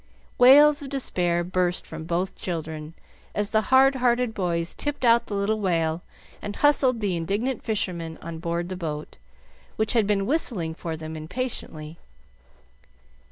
Wails of despair burst from both children as the hard hearted boys tipped out the little whale, and hustled the indignant fishermen on board the boat, which had been whistling for them impatiently.